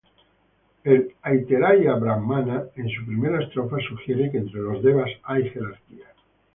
El "Aitareia-brahmana" en su primera estrofa sugiere que entre los devas hay jerarquías.